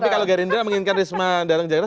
tapi kalau gerindra menginginkan risma datang ke jakarta